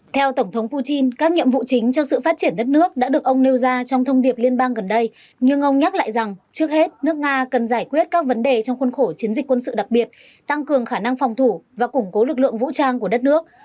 theo tổng thống putin các nhiệm vụ chính cho sự phát triển đất nước đã được ông nêu ra trong thông điệp liên bang gần đây nhưng ông nhắc lại rằng trước hết nước nga cần giải quyết các vấn đề trong khuôn khổ chiến dịch quân sự đặc biệt tăng cường khả năng phòng thủ và củng cố lực lượng vũ trang của đất nước